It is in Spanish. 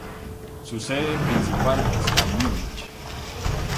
Su sede principal está en Múnich.